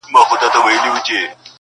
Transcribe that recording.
ه ستا د غزل سور له تورو غرو را اوړي,